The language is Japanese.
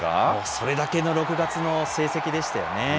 それだけの６月の成績でしたよね。